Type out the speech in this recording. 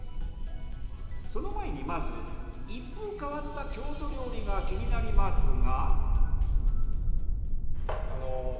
その前にまず一風変わった郷土料理が気になりますが。